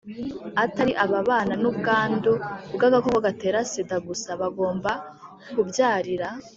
Atari ababana n ubwandu bw agakoko gatera sida gusa bagomba kubyarira